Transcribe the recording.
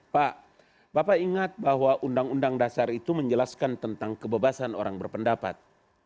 pak bapak ingat bahwa undang undang dasar itu menjelaskan tentang kebebasan orang berpendapat